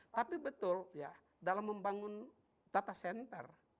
tapi betul ya dalam membangun data center